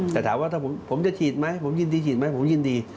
แต่ถามว่าถ้าผมจะฉีดไหมผมยินดีฉีดไหมผมยินดี